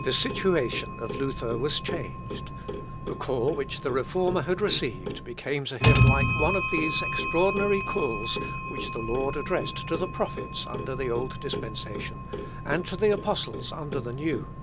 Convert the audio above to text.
The situation of Luther was changed. The call which the Reformer had received became to him like one of these extraordinary calls which the Lord addressed to the prophets under the Old Dispensation, and to the apostles under the New.